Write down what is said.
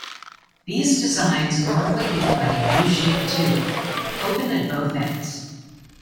These designs normally look like a U-shaped tube, open at both ends.